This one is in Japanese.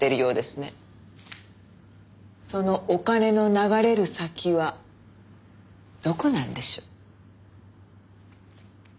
そのお金の流れる先はどこなんでしょう？